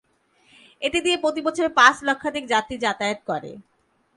এটি দিয়ে প্রতি বছরে পাঁচ লক্ষাধিক যাত্রী যাতায়াত করে।